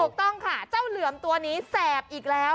ถูกต้องค่ะเจ้าเหลือมตัวนี้แสบอีกแล้ว